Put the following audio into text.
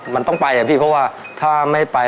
มันต้องไปอะพี่เพราะว่าถ้าไม่ไป